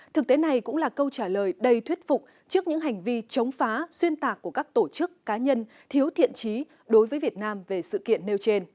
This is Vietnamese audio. thực tế này cũng là câu trả lời đầy thuyết phục trước những hành vi chống phá xuyên tạc của các tổ chức cá nhân thiếu thiện trí đối với việt nam về sự kiện